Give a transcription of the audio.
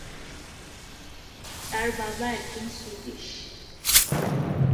তার বাবা একজন সুইডিশ।